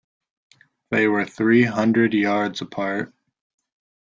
They were three hundred yards apart.